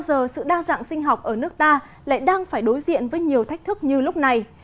giờ sự đa dạng sinh học ở nước ta lại đang phải đối diện với nhiều thách thức như lúc này